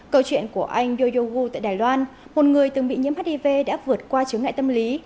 câu chuyện của anh yoyogu tại đài loan một người từng bị nhiễm hiv đã vượt qua chứng ngại tâm lý